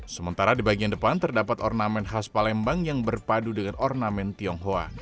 sementara di bagian depan terdapat ornamen khas palembang yang berpadu dengan ornamen tionghoa